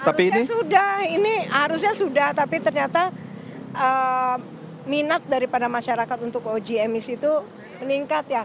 harusnya sudah ini harusnya sudah tapi ternyata minat daripada masyarakat untuk uji emisi itu meningkat ya